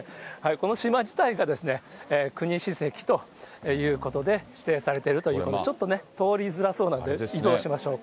この島自体が、国史跡ということで指定されているということで、ちょっとね、通りづらそうなんで移動しましょうか。